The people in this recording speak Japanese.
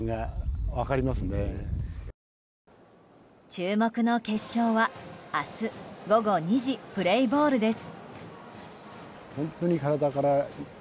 注目の決勝は明日午後２時プレイボールです。